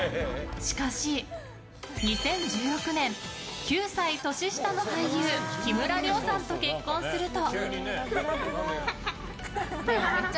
しかし、２０１６年９歳年下の俳優木村了さんと結婚すると。